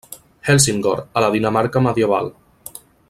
Helsingør, a la Dinamarca medieval.